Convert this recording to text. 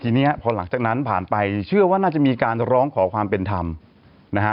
ทีนี้พอหลังจากนั้นผ่านไปเชื่อว่าน่าจะมีการร้องขอความเป็นธรรมนะฮะ